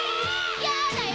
やだよ！